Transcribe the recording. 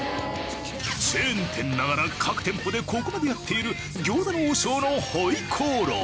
チェーン店ながら各店舗でここまでやっている餃子の王将の回鍋肉。